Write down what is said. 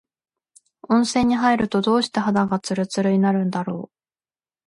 温泉に入ると、どうして肌がつるつるになるんだろう。